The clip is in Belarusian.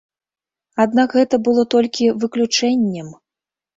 Аднак гэта было толькі выключэннем.